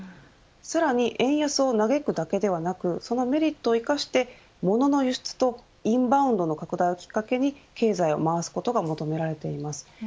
さらに円安を嘆くだけではなくそのメリットを生かしてものの輸出とインバウンドの拡大をきっかけに経済を回すことが求められています。